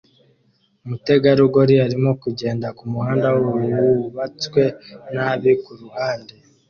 Umutegarugori arimo kugenda kumuhanda wubatswe nabi kuruhande